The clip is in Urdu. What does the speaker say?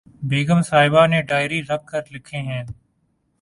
بیگم صاحبہ نے ڈائری رکھ کر لکھے ہیں